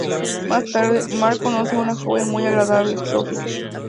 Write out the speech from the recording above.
Más tarde, Marc conoce a una joven muy agradable, Sophie.